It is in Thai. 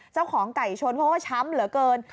เจ้าของไก่ชนเขาก็ช้ำเหลือเกิน